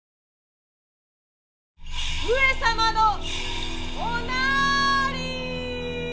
上様のおなーりー。